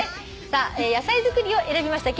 さあ「野菜作り」を選びました